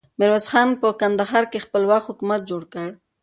ميرويس خان په کندهار کې خپلواک حکومت جوړ کړ.